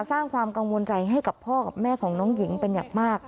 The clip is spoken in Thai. สร้างความกังวลใจให้กับพ่อกับแม่ของน้องหญิงเป็นอย่างมาก